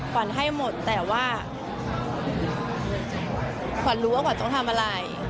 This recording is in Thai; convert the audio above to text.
ขวัญให้หมดแต่ว่าขวัญรู้ว่าขวัญต้องทำอะไร